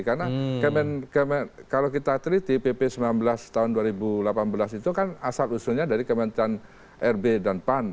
karena kalau kita teliti pp sembilan belas tahun dua ribu delapan belas itu kan asal usulnya dari kementerian rb dan pan